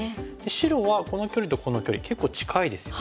白はこの距離とこの距離結構近いですよね。